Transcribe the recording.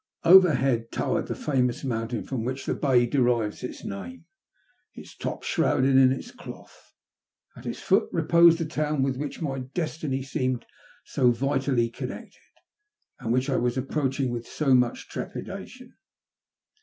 Overhead towered the famous mountain from which the Bay derives its name, its top shrouded in its cloth. At its foot repoEed the town with which my destiny seemed so vitally connected, and which I was approaching with so much trepidation.